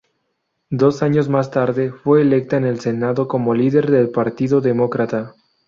Dos años más tarde, fue electa en el Senado como líder del Partido Demócrata.